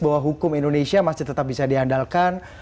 bahwa hukum indonesia masih tetap bisa diandalkan